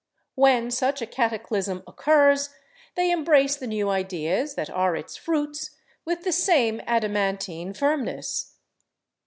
When such a cataclysm occurs, they embrace the new ideas that are its fruits with the same adamantine firmness.